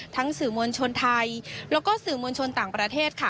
สื่อมวลชนไทยแล้วก็สื่อมวลชนต่างประเทศค่ะ